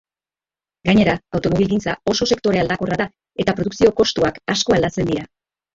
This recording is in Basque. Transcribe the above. Gainera, automobilgintza oso sektore aldakorra da eta produkzio-kostuak asko aldatzen dira